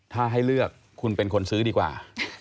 ถ้าให้เลือกคุณเป็นคนซื้อดีกว่า